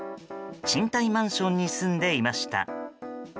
賃貸マンションに住んでいました。